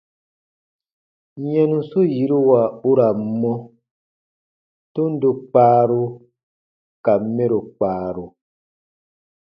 Yɛnusu yiruwa u ra n mɔ : tundo kpaaru ka mɛro kpaaru.